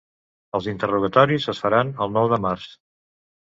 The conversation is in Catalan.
Els interrogatoris es faran el nou de març.